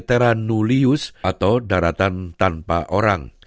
teranulius atau daratan tanpa orang